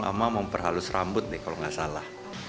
mama memperhalus rambut deh kalau nggak salah